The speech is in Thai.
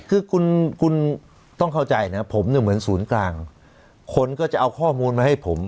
คือคุณคุณต้องเข้าใจนะผมเนี่ยเหมือนศูนย์กลางคนก็จะเอาข้อมูลมาให้ผม